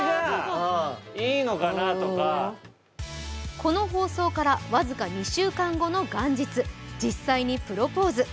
この放送から僅か２週間後の元日、実際にプロポーズ。